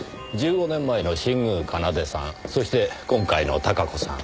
１５年前の新宮奏さんそして今回の孝子さん。